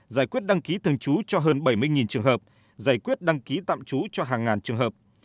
giải quyết đăng ký thường trú cho hơn bảy mươi trường hợp giải quyết đăng ký tạm trú cho hàng ngàn trường hợp